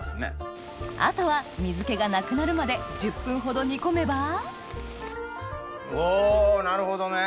あとは水気がなくなるまで１０分ほど煮込めばおなるほどね！